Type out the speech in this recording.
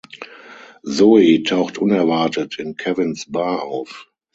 Zoey taucht unerwartet in Kevins Bar auf.